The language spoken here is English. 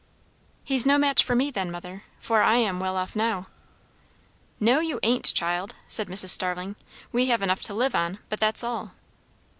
"He's no match for me, then, mother; for I am well off now." "No, you ain't, child," said Mrs. Starling. "We have enough to live on, but that's all."